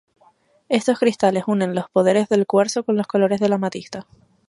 Estos cristales unen los poderes del cuarzo con los colores de la amatista.